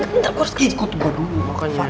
bentar gue harus kejadian